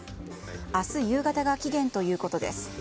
明日夕方が期限ということです。